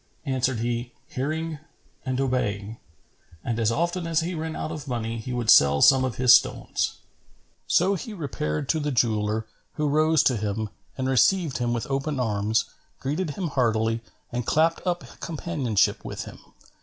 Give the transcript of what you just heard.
Answered he, "Hearing and obeying;" and as often as he ran out of money, he would sell some of his stones. So he repaired to the jeweller, who rose to him and received him with open arms, greeted him heartily and clapped up companionship with him.